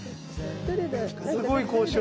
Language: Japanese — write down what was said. すごい交渉。